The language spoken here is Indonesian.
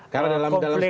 karena dalam dalam hal ini